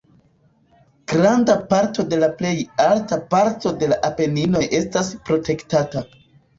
Granda parto de la plej alta parto de Apeninoj estas protektata.